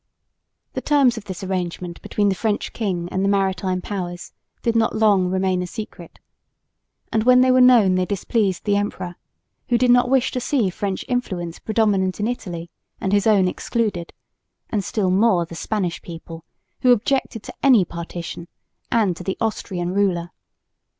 The terms of this arrangement between the French king and the maritime powers did not long remain a secret; and when they were known they displeased the emperor, who did not wish to see French influence predominant in Italy and his own excluded, and still more the Spanish people, who objected to any partition and to the Austrian ruler.